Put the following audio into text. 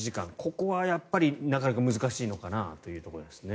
ここはやっぱりなかなか難しいのかなというところですね。